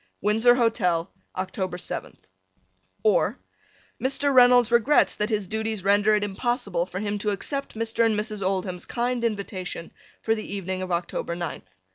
Windsor Hotel October 7th or Mr. Reynolds regrets that his duties render it impossible for him to accept Mr. and Mrs. Oldham's kind invitation for the evening of October ninth.